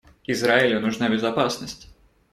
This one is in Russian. Израилю нужна безопасность.